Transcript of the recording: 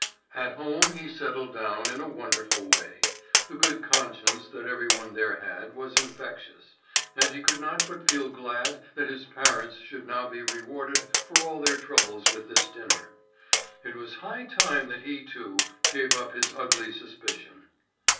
At home he settled down in a wonderful way. The good conscience that every one there had was infectious; and he could not but feel glad that his parents should now be rewarded for all their troubles with this dinner. It was high time that he, too, gave up his ugly suspicion.